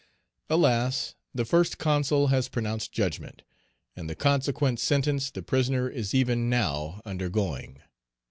Alas! the First Consul has pronounced judgment, and the consequent sentence the prisoner is even now undergoing.